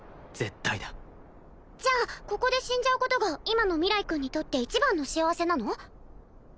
絶対だじゃあここで死んじゃうことが今の明日君にとって一番の幸せなの？